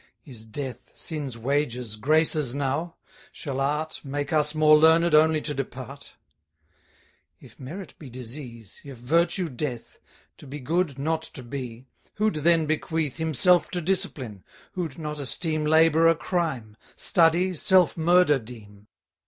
Is death, Sin's wages, Grace's now? shall Art Make us more learned, only to depart? If merit be disease; if virtue death; To be good, not to be; who'd then bequeath 10 Himself to discipline? who'd not esteem Labour a crime? study, self murder deem?